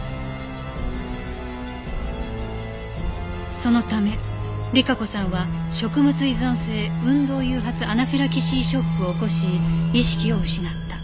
そのため莉華子さんは食物依存性運動誘発アナフィラキシーショックを起こし意識を失った。